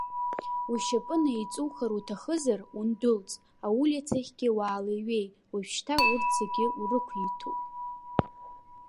Ушьапы неиҵухыр уҭахызар, ундәылҵ, аулицахьгьы уаалеиҩеи, уажәшьҭа урҭ зегь урықәиҭуп.